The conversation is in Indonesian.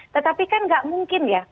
tetapi kan nggak mungkin ya